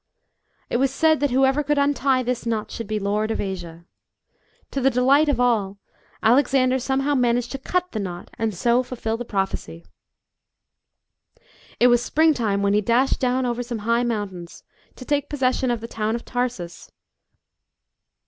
It was said that whoever could untie this knot, should be lord of Asia. To the delight of all, 142 A CONQUERING HERO. [B.C. 332. Alexander somehow managed to cut the knot and so fulfil the prophecy. It was spring time when he dashed down over some high mountains, to take possession of the town of Tarsus.